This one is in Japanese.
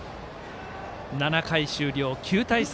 ７回終了、９対３。